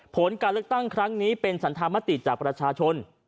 ผลการเลือกตั้งครั้งนี้เป็นสันธามติจากประชาชน